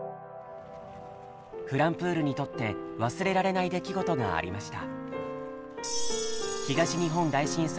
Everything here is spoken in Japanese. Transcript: ｆｌｕｍｐｏｏｌにとって忘れられない出来事がありました。